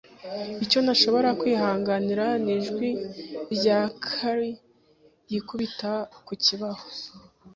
Icyo ntashobora kwihanganira nijwi rya chalk yikubita ku kibaho.